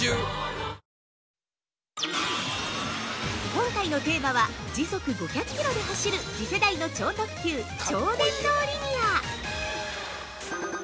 ◆今回のテーマは時速５００キロで走る次世代の超特急・超電導リニア。